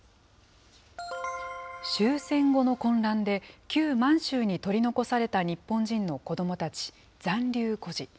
終戦後の混乱で、旧満州に取り残された日本人の子どもたち、残留孤児。